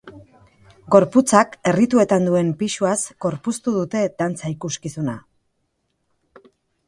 Gorputzak errituetan duen pisuaz gorpuztu dute dantza ikuskizuna.